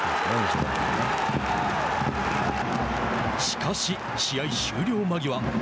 しかし、試合終了間際。